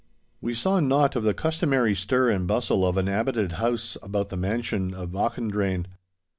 We saw nought of the customary stir and bustle of an habited house about the mansion of Auchendrayne.